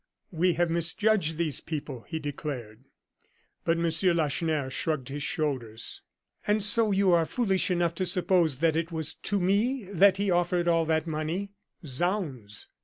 "We have misjudged these people," he declared. But M. Lacheneur shrugged his shoulders. "And so you are foolish enough to suppose that it was to me that he offered all that money?" "Zounds!